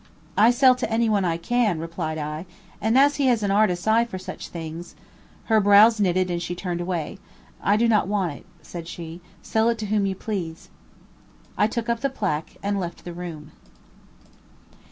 "I sell to anyone I can," replied I; "and as he has an artist's eye for such things " Her brows knitted and she turned away. "I do not want it;" said she, "sell it to whom you please." I took up the placque and left the room.